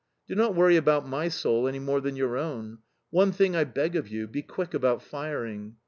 "Do not worry about my soul any more than your own. One thing I beg of you: be quick about firing."